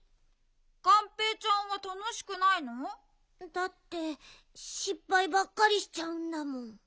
だってしっぱいばっかりしちゃうんだもん。